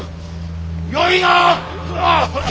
よいな！